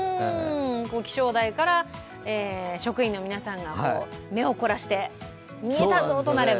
気象台から職員の皆さんが目を凝らして、見えたとなれば。